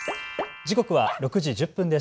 時刻は６時１０分です。